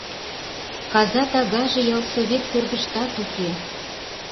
Каза тагаже ялсовет кӧргыштат уке.